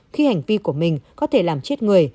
khi hành vi của mình có thể làm chết người